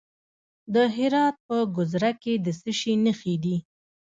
د هرات په ګذره کې د څه شي نښې دي؟